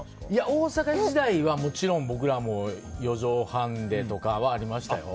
大阪時代はもちろん僕も４畳半でとかはありましたよ。